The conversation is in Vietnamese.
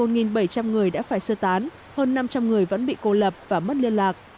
một bảy trăm linh người đã phải sơ tán hơn năm trăm linh người vẫn bị cô lập và mất liên lạc